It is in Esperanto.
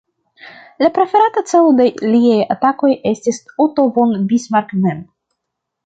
La preferata celo de liaj atakoj estis Otto von Bismarck mem.